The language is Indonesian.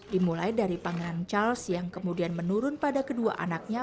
dimulai dari pangeran charles yang kemudian menurun pada kedua anaknya